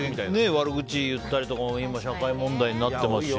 悪口言ったりとかも今、社会問題になってますし。